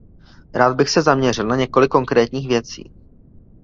Rád bych se zaměřil na několik konkrétních věcí.